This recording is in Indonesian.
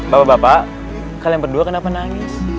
bapak bapak kalian berdua kenapa nangis